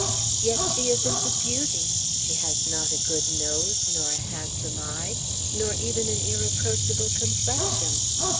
Yet she isn't a beauty; she has not a good nose, nor a handsome eye, nor even an irreproachable complexion.